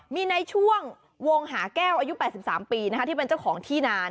มีในช่วงวงหาแก้วอายุ๘๓ปีที่เป็นเจ้าของที่นาน